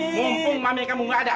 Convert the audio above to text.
nih mumpung mami kamu enggak ada